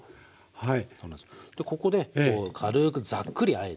はい。